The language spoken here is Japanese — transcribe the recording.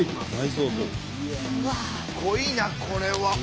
すごいなこれは。